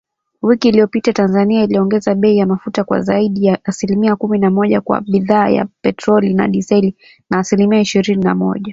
Wiki iliyopita, Tanzania iliongeza bei ya mafuta kwa zaidi ya asilimia kumi na moja kwa bidhaa ya petroli na dizeli, na asilimia ishirini na moja